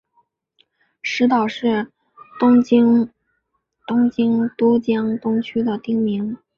石岛是东京都江东区的町名。